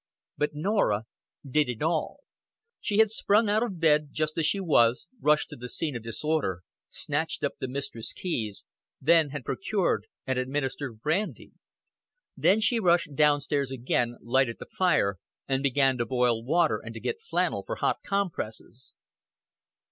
But Norah did it all. She had sprung out of bed just as she was, rushed to the scene of disorder, snatched up the mistress' keys, then had procured and administered brandy. Then she rushed down stairs again, lighted the fire, and began to boil water and to get flannel for hot compresses.